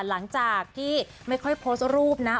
หลังจากที่ไม่ค่อยโพสต์รูปนะ